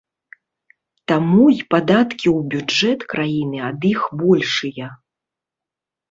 Таму і падаткі ў бюджэт краіны ад іх большыя.